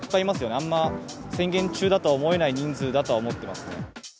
あんま、宣言中だとは思えない人数だとは思ってますね。